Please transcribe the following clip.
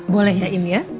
boleh ya in ya